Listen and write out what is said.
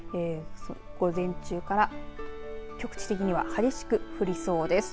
午前中から局地的には激しく降りそうです。